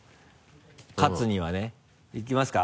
勝つにはね。いきますか？